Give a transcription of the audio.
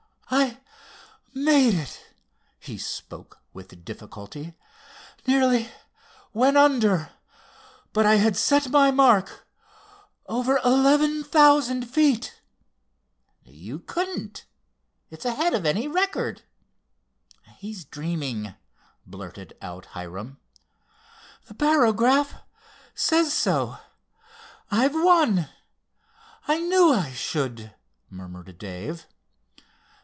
"I made it," he spoke with difficulty. "Nearly went under, but I had set my mark—over eleven thousand feet." "You couldn't! It's ahead of any record! He's dreaming!" blurted out Hiram. "The barograph says so—I've won. I knew I should," murmured Dave.